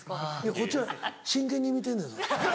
こっちは真剣に見てんのやぞ。